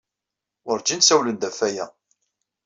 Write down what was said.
Werjin ssawlen-d ɣef waya.